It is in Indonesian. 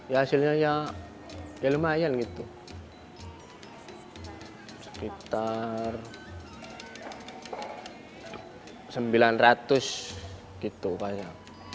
ya hasilnya ya lumayan gitu sekitar sembilan ratus gitu kayaknya